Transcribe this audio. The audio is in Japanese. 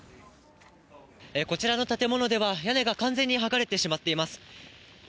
こちらの建物では、屋根が完全に剥がれてしまっています。